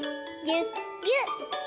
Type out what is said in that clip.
ぎゅっぎゅっ。